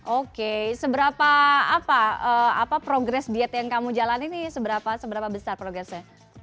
oke seberapa apa progres diet yang kamu jalani ini seberapa besar progresnya